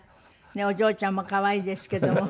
お嬢ちゃんも可愛いですけども。